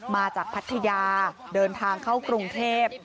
มาจากพัทยาเดินทางเข้ากรุงเทพ